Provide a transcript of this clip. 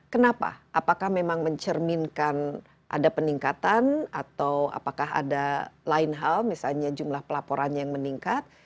kenapa apakah memang mencerminkan ada peningkatan atau apakah ada lain hal misalnya jumlah pelaporannya yang meningkat